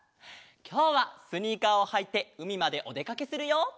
きょうはスニーカーをはいてうみまでおでかけするよ。